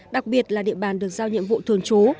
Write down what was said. đặc biệt là địa bàn được giao nhiệm vụ thường trú